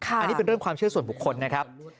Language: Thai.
อันนี้เป็นเรื่องความเชื่อส่วนบุคคลนะครับ